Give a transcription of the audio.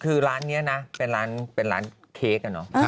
คือร้านนี้นะเป็นร้านเค้กอะเนาะ